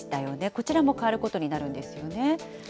こちらも変わることになるんですよね。